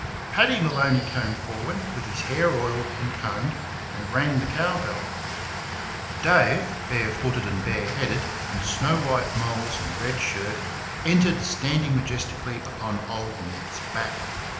Paddy Maloney came forward with his hair oiled and combed, and rang the cow bell. Dave, bare footed and bare headed, in snow white moles and red shirt, entered standing majestically upon old Ned's back.